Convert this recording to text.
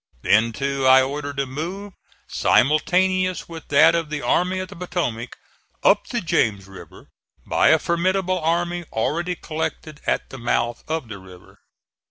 Then, too, I ordered a move, simultaneous with that of the Army of the Potomac, up the James River by a formidable army already collected at the mouth of the river.